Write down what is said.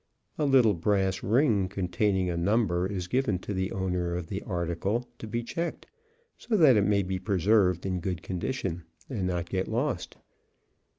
A little brass ring containing a number is given the owner of the article to be checked, so that it may be preserved in good condition, and not get lost.